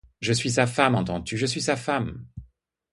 Je suis sa femme, entends-tu, je suis sa femme !